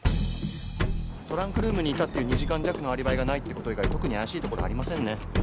トランクルームにいたっていう２時間弱のアリバイがないってこと以外特に怪しいところありませんね。